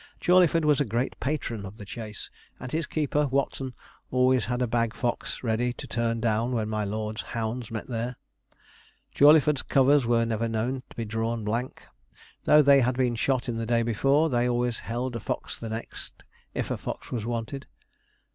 Jawleyford was a great patron of the chase; and his keeper, Watson, always had a bag fox ready to turn down when my lord's hounds met there. Jawleyford's covers were never known to be drawn blank. Though they had been shot in the day before, they always held a fox the next if a fox was wanted.